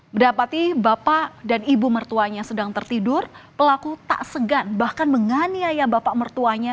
mendapati bapak dan ibu mertuanya sedang tertidur pelaku tak segan bahkan menganiaya bapak mertuanya